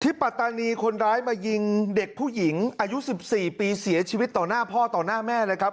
ปัตตานีคนร้ายมายิงเด็กผู้หญิงอายุ๑๔ปีเสียชีวิตต่อหน้าพ่อต่อหน้าแม่เลยครับ